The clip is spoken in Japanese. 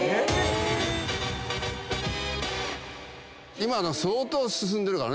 今相当進んでるからね。